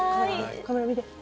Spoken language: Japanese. カメラ見て。